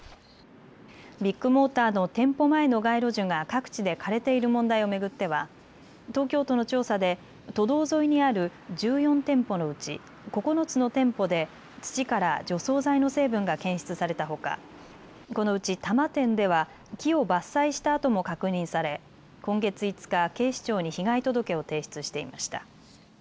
ビッグモーターの店舗前の街路樹が各地で枯れている問題を巡っては東京都の調査で都道沿いにある１４店舗のうち９つの店舗で土から除草剤の成分が検出されたほか、このうち多摩店では木を伐採した跡も確認され今月５日、警視庁に被害届を提出していました。